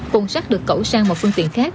cuộn xác được cẩu sang một phương tiện khác